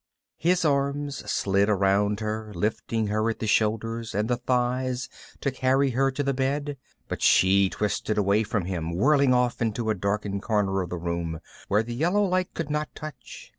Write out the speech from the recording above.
His arms slid around her, lifting her at the shoulders and the thighs to carry her to the bed, but she twisted away from him, whirling off into a darkened corner of the room where the yellow light could not touch.